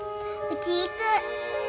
うち行く。